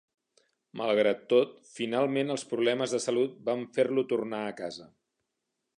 Malgrat tot, finalment els problemes de salut van fer-lo tornar a casa.